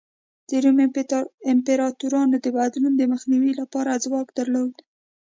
د روم امپراتورانو د بدلونونو د مخنیوي لپاره ځواک درلود.